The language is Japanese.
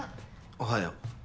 おはよう。